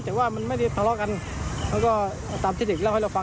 แต่ว่ามันไม่ได้ทะเลาะกันแล้วก็ตามที่เด็กเล่าให้เราฟัง